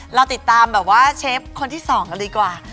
เราติดตามแบบว่าเชฟคนที่๒กันดีกว่า